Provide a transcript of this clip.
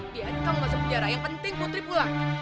biar kamu masuk penjara yang penting putri pulang